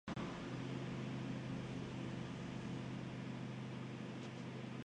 Las autoridades municipales dictaminaron graves fisuras en la estructura principal de los edificios.